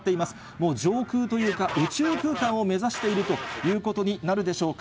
もう上空というか、宇宙空間を目指しているということになるでしょうか。